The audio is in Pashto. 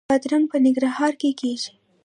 بادرنګ په ننګرهار کې کیږي